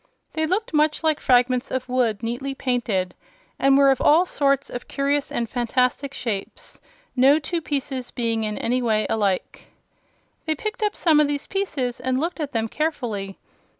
They looked much like fragments of wood neatly painted, and were of all sorts of curious and fantastic shapes, no two pieces being in any way alike. They picked up some of these pieces and looked at them carefully.